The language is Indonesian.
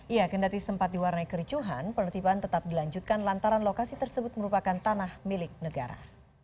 ya kendati sempat diwarnai kericuhan penertiban tetap dilanjutkan lantaran lokasi tersebut merupakan tanah milik negara